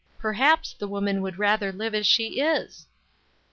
Perhaps the woman would rather live as she is."